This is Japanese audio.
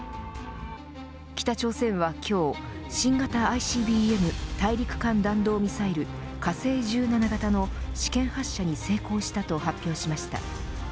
北朝鮮は今日新型ＩＣＢＭ大陸間弾道ミサイル火星１７型の試験発射に成功したと発表しました。